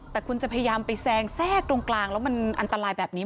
แต่คุณจะพยายามไปแซงแทรกตรงกลางแล้วมันอันตรายแบบนี้